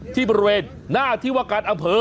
ที่บริเวณหน้าที่ว่าการอำเภอ